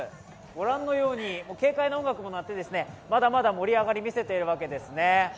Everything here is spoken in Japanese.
御覧のように、軽快な音楽も鳴ってまだまだ盛り上がりを見せているわけですね。